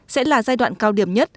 sẽ là giai đoạn cao điểm nhất